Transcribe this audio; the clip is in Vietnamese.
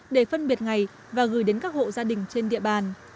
để phân biệt ngày và gửi đến các hộ gia đình trên địa bàn